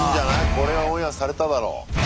これはオンエアされただろう。